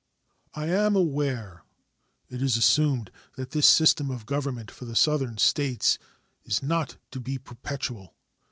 I am aware it is assumed that this system of government for the Southern States is not to be perpetual.